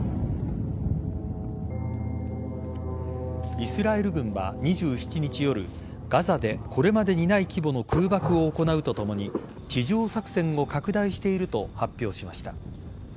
イスラエル軍は２７日夜ガザでこれまでにない規模の空爆を行うとともに地上作戦を拡大していると発表しました。